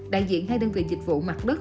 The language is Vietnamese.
đại diện hai đơn vị dịch vụ mặt đất